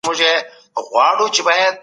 دا د سبو داغ دی که د چایو؟